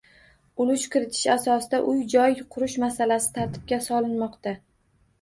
Ulush kiritish asosida uy-joy qurish masalasi tartibga solinmoqda